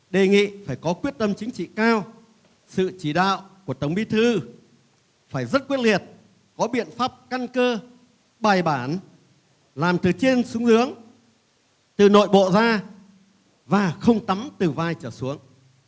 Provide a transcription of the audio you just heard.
đề nghị phải có quyết tâm chính trị cao sự chỉ đạo của tổng bí thư phải rất quyết liệt có biện pháp căn cơ bài bản làm từ trên xuống hướng từ nội bộ ra và không tắm từ vai trở xuống